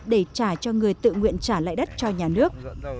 để trả cho người tự nguyện trả lại đất cho nhà nước